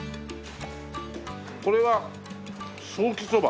これはソーキそば？